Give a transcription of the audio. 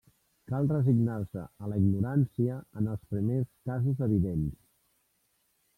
Cal resignar-se a la ignorància en els primers casos evidents.